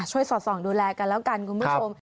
สอดส่องดูแลกันแล้วกันคุณผู้ชม